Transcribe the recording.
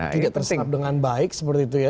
tidak terserap dengan baik seperti itu ya